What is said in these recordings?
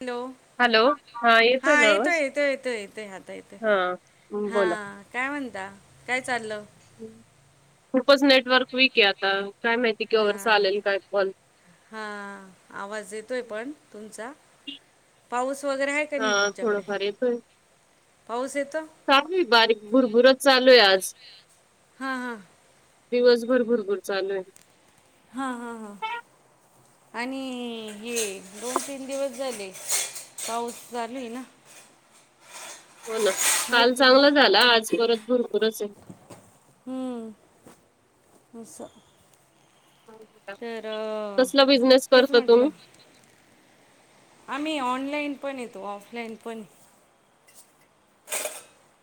Hello. Hello हा ना येतोय आवाज येतोय येतो येतोय आता येत हा हा. बोला. काय म्हणता काय चाललं‌. खूपच नेटवर्क वीक आहे आता काय माहिती की वर आलेल काय कॉल हा आवाज येतोय पण तुमचा. पाऊस वगैरे आहे का हा नाही तुमच्याकडे थोडंफार पाऊस येतोय. सार बारीक भुरभुरत चालूय आज. हां हां दिवसभर भरपूर चालू आहे. हा-हा-हा. आणि ये दोन तीन दिवस झाले. पाऊस झालय ना. हो ना आहे काल की नाही? चांगलं झाला आज परत भरपूरच आहे. स. तर कसला बिझनेस तेच करता तुम्ही? म्हटलं. आम्ही ऑनलाईन पण येतो ऑफलाईन पण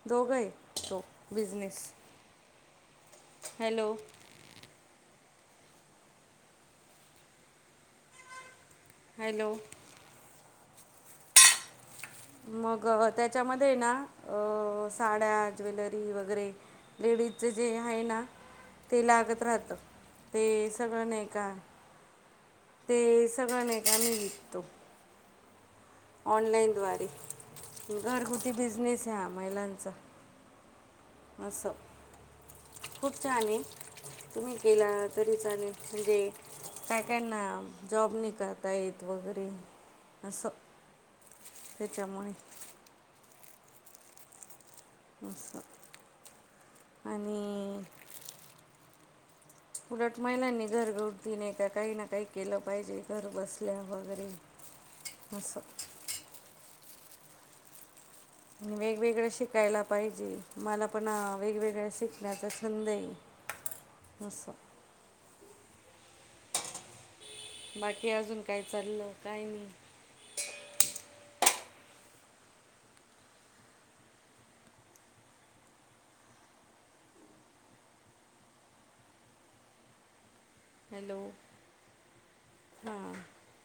दोघय तो बिजनेस. Hello hello. मग त्याच्यामध्ये ना अ साड्या ज्वेलरी वगैरे. लेडीजच जे आहे ना ते लागत राहत ते सगळं नाही का ते सगळं नाहीकनी विकतो. ऑनलाईनद््वारे घरगुती बिझनेस आहे ह महिलांचा. असं खूपच्यानी तुम्ही केला तरी चालेल म्हणजे काय काय ना जॉब नि करता येत वगैरे असं. तेच्या मणी असं आणि उलट महिलांनी घरघडतीने का काही ना काही केलं पाहिजे. घर बसल्या वगैरे बसं. म वेगवेगळं शिकायला पाहिजे मला पण ह वेगवेगळ शिकण्याचा छंद आहे. नस. बाकी अजून काय चाललं काय नाही. हॅलो हां.